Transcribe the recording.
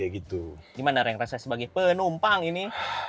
gimana reng rasanya sebagai penumpang ini